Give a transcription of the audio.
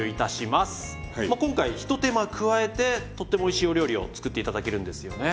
まあ今回一手間加えてとってもおいしいお料理を作って頂けるんですよね？